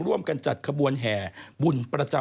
ร่วมกันจัดขบวนแห่บุญ